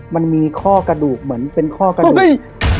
มันมีข้อกระดูกเหมือนเป็นข้อกระดูก